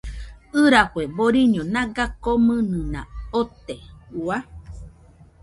ɨrafue boriño naga komɨnɨna ote, Ua